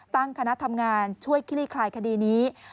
ตั้งคณะทำงานช่วยคลี่คลายคดีนี้